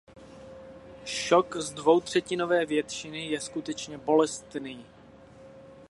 Šok z dvoutřetinové většiny je skutečně bolestný.